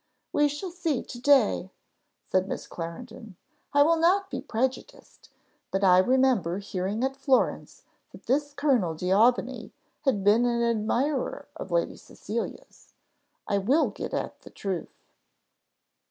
"We shall see to day," said Miss Clarendon; "I will not be prejudiced; but I remember hearing at Florence that this Colonel D'Aubigny had been an admirer of Lady Cecilia's. I will get at the truth."